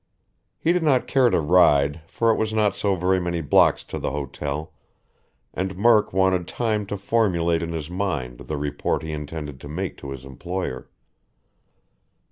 He did not care to ride, for it was not so very many blocks to the hotel, and Murk wanted time to formulate in his mind the report he intended to make to his employer.